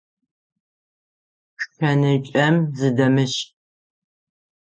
Шэнычъэм зыдэмышӏ.